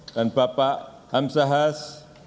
dan bapak hamsahas